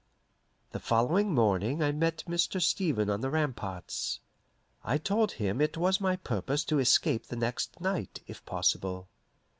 The following morning I met Mr. Stevens on the ramparts. I told him it was my purpose to escape the next night, if possible.